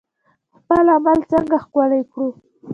خپل عمل څنګه ښکلی کړو؟